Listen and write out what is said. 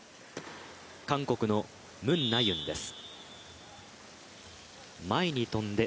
韓国のムン・ナユンです。